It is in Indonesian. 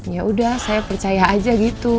yaudah saya percaya aja gitu